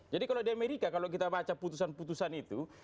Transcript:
jadi kalau di amerika kalau kita baca putusan putusan itu